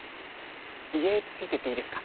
家、ついて行ってイイですか？